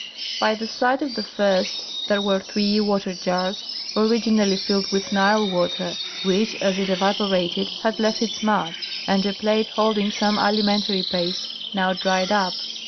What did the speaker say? By the side of the first there were three water jars, originally filled with Nile water, which, as it evaporated, had left its mud, and a plate holding some alimentary paste, now dried up.